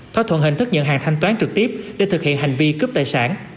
thỏa thuận hình thức nhận hàng thanh toán trực tiếp để thực hiện hành vi cướp tài sản